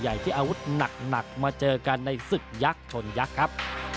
ที่อาวุธหนักมาเจอกันในศึกยักษ์ชนยักษ์ครับ